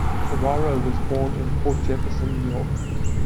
Ferraro was born in Port Jefferson, New York.